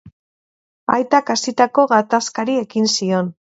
Aitak hasitako gatazkari ekin zion.